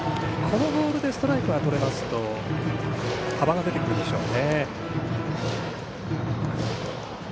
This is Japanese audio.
このボールでストライクがとれますと幅が出てくるでしょう。